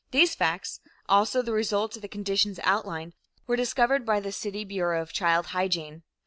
These facts, also the result of the conditions outlined, were discovered by the city Bureau of Child Hygiene.